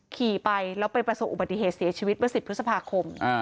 ขี่ไปแล้วไปประสบอุบัติเหตุเสียชีวิตเมื่อ๑๐พฤษภาคม